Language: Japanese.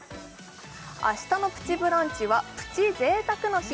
明日の「プチブランチ」はプチ贅沢の日